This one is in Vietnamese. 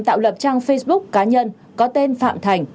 tạo lập trang facebook cá nhân có tên phạm thành